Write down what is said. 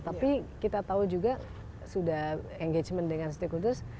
tapi kita tahu juga sudah engagement dengan stakeholders